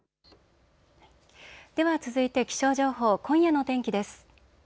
では続いて気象情報、今夜の天気です。